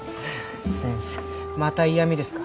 先生また嫌みですか。